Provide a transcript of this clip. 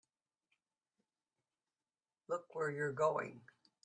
Look where you're going!